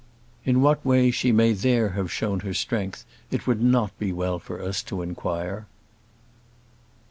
In what way she may there have shown her strength, it would not be well for us to inquire.